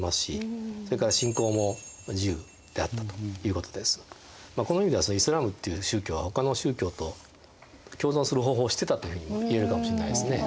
この人たちはこの意味ではイスラームっていう宗教はほかの宗教と共存する方法を知ってたというふうにもいえるかもしれないですね。